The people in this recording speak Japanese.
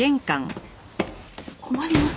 困ります